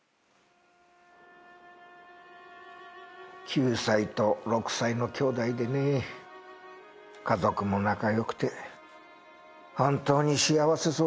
９歳と６歳の兄弟でね家族も仲良くて本当に幸せそうだったよ。